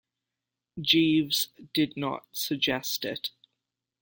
Jeeves did not suggest it.